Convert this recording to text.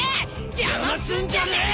邪魔すんじゃねえ！